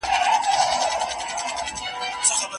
ملايکه مخامخ راته راگوري